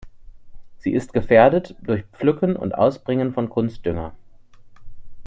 Sie ist gefährdet durch Pflücken und Ausbringen von Kunstdünger.